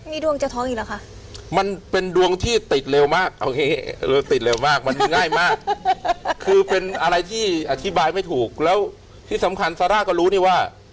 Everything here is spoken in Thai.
มีดวงจะท้องอีกเหรอคะมันเป็นดวงที่ติดเร็วมากโอเคเราติดเร็วมากมันมีง่ายมากคือเป็นอะไรที่อธิบายไม่ถูกแล้วที่สำคัญซาร่าก็รู้นี่ว่า